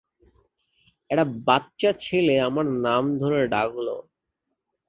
একটা বাচ্চা ছেলে-আমার নাম ধরে ডাকল।